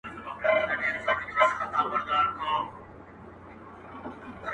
ستړے ستومانه پخپل ځان کښې حيران کړی مې دی